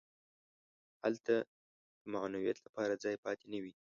هلته د معنویت لپاره ځای پاتې نه وي.